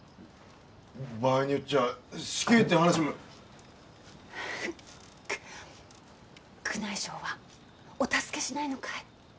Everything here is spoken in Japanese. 場合によっちゃ死刑って話も宮内省はお助けしないのかい？